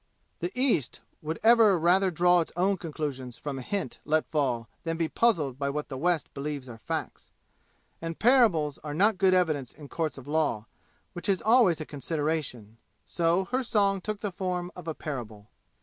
The East would ever rather draw its own conclusions from a hint let fall than be puzzled by what the West believes are facts. And parables are not good evidence in courts of law, which is always a consideration. So her song took the form of a parable.